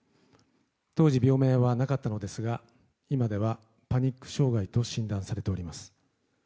当時、病名はなかったのですが今ではパニック障害と診断されております。